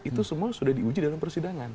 itu semua sudah diuji dalam persidangan